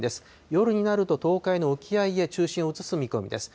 夜になると、東海の沖合へ中心を移す見込みです。